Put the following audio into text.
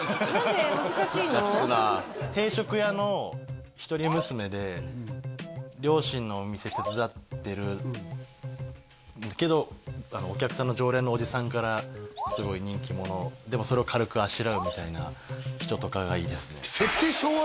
定食屋の一人娘で両親のお店手伝ってるけどお客さんの常連のおじさんからすごい人気者でもそれを軽くあしらうみたいな人とかがいいですね